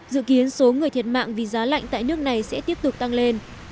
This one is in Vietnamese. dự kiến số người thiệt mạng vì giá lạnh tại nước này sẽ tiếp tục tăng lên